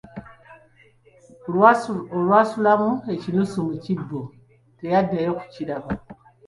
Olwasuulamu ekinusu mu kibbo teyaddayo kukiraba.